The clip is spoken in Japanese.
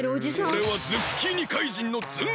おれはズッキーニ怪人のええっ！？